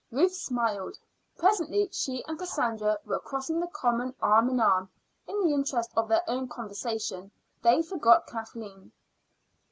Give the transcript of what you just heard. Ruth smiled. Presently she and Cassandra were crossing the common arm in arm. In the interest of their own conversation they forgot Kathleen.